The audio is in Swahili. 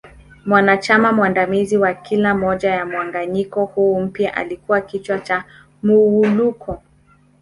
Mwanachama mwandamizi wa kila moja ya mgawanyiko huu mpya alikua kichwa cha Muwuluko.